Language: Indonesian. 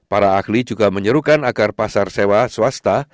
para ahli juga menyerukan agar pasar sewa swasta